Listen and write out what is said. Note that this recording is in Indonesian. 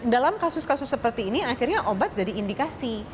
dalam kasus kasus seperti ini akhirnya obat jadi indikasi